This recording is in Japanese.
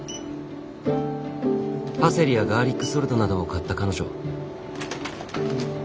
パセリやガーリックソルトなどを買った彼女。